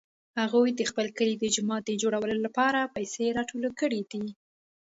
هغوی د خپل کلي د جومات د جوړولو لپاره پیسې راټولې کړې دي